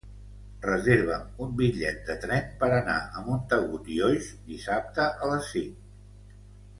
Reserva'm un bitllet de tren per anar a Montagut i Oix dissabte a les cinc.